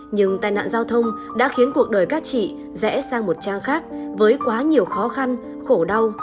nhưng tai nạn giao thông đã khiến cuộc đời các chị rẽ sang một trang khác với quá nhiều khó khăn khổ đau